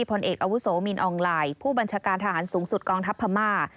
ผลเอกอาวุโสมินอองไลน์ผู้บัญชาการทหารสูงสุดกองทัพพม่า